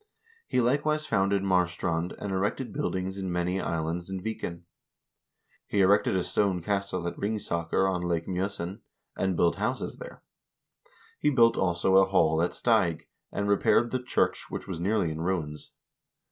He likewise founded Marstrand, and erected buildings in many islands in Viken. He erected a stone castle at Ringsaker on Lake Mj0sen, and built houses there. He built, also, a hall at Steig, and repaired the church, which was nearly in ruins.